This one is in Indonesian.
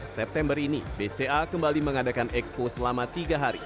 september ini bca kembali mengadakan expo selama tiga hari